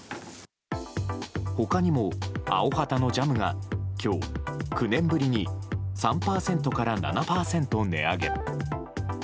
他にもアヲハタのジャムが今日９年ぶりに３％から７％値上げ。